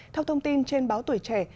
theo thông tin trên báo tuổi trẻ